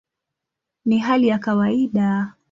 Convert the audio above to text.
Ni hali ya kawaida".